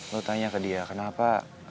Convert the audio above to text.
lo tanya ke dia kenapa